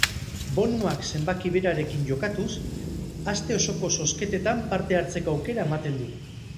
Bonuak zenbaki berarekin jokatuz, aste osoko zozketetan parte hartzeko aukera ematen du.